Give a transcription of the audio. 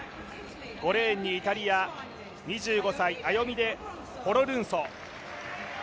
５レーンにイタリア、２５歳、アヨミデ・フォロルンソ。